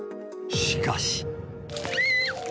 しかし。